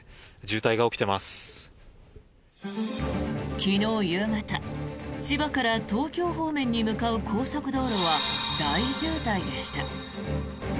昨日夕方千葉から東京方面に向かう高速道路は大渋滞でした。